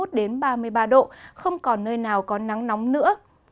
từ ba mươi một đến ba mươi ba độ không còn nơi nào có nắng nóng nữa